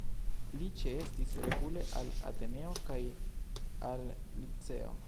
Li ĉeestis regule al Ateneo kaj al Liceo.